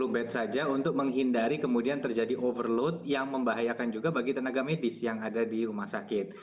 satu bed saja untuk menghindari kemudian terjadi overload yang membahayakan juga bagi tenaga medis yang ada di rumah sakit